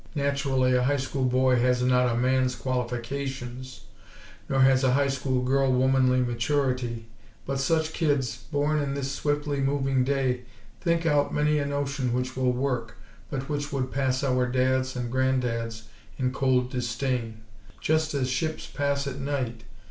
Naturally a High School boy has not a man's qualifications; nor has a High School girl womanly maturity. But such kids, born in this swiftly moving day, think out many a notion which will work, but which would pass our dads and granddads in cold disdain. Just as ships pass at night.